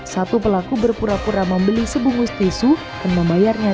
satu pelaku berpura pura membeli sebungkus tisu dan membayarnya